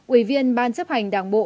ủy viên ban chấp hành đảng bộ